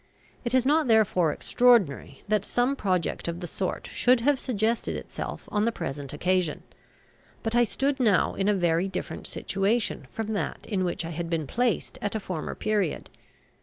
It is not therefore extraordinary that some project of the sort should have suggested itself on the present occasion. But I stood now in a very different situation from that in which I had been placed at a former period.